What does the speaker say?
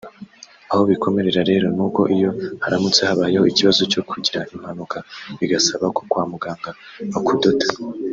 aho bikomerera rero nuko iyo haramutse habayeho ikibazo cyo kugira impanuka bigasaba ko kwa muganga bakudoda